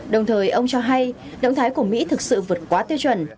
đồng thời ông cho hay động thái của mỹ thực sự vượt quá tiêu chuẩn